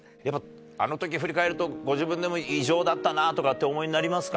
あのとき振り返ると、ご自分でも異常だったなとかって、お思いになりますか？